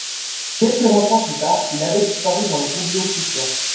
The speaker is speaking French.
Quelques instants plus tard, il avait disparu dans le tourbillon de poussière.